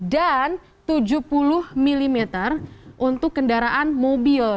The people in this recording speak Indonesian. dan tujuh puluh mm untuk kendaraan mobil